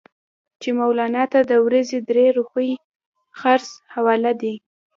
چې مولنا ته د ورځې درې روپۍ خرڅ حواله دي.